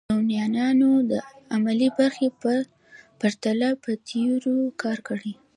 یونانیانو د عملي برخې په پرتله په تیوري کار کړی.